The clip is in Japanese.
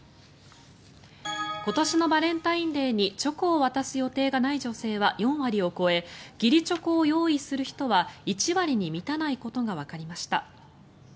今年のバレンタインデーにチョコを渡す予定がない女性は４割を超え義理チョコを用意する人は１割に満たないことがわかりました。